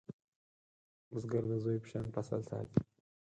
بزګر د زوی په شان فصل ساتي